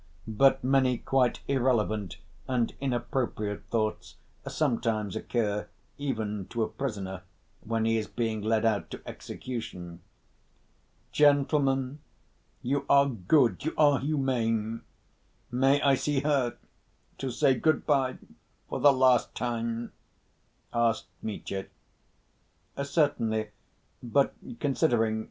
But many quite irrelevant and inappropriate thoughts sometimes occur even to a prisoner when he is being led out to execution. "Gentlemen, you are good, you are humane, may I see her to say 'good‐by' for the last time?" asked Mitya. "Certainly, but considering